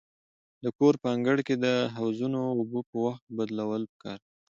د کور په انګړ کې د حوضونو اوبه په وخت بدلول پکار دي.